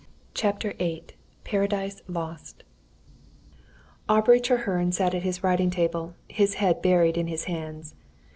CHAPTER VIII PARADISE LOST Aubrey Treherne sat at his writing table, his head buried in his hands.